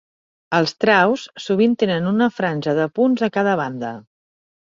Els traus sovint tenen una franja de punts a cada banda.